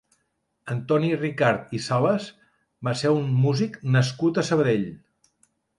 Antoni Ricart i Salas va ser un músic nascut a Sabadell.